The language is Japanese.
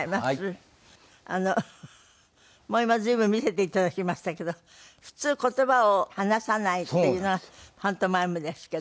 あのもう今随分見せていただきましたけど普通言葉を話さないっていうのがパントマイムですけど。